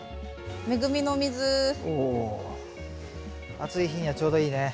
暑い日にはちょうどいいね。